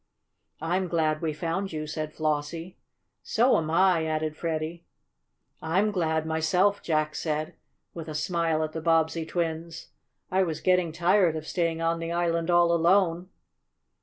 "I'm glad we found you," said Flossie. "So'm I," added Freddie. "I'm glad myself," Jack said, with a smile at the Bobbsey twins. "I was getting tired of staying on the island all alone."